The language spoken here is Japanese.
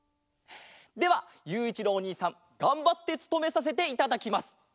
ではゆういちろうおにいさんがんばってつとめさせていただきます！